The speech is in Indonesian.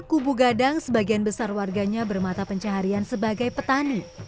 kubu gadang sebagian besar warganya bermata pencaharian sebagai petani